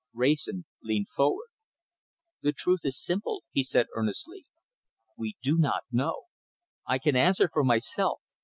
Wrayson leaned forward. "The truth is simple," he said earnestly. "We do not know. I can answer for myself.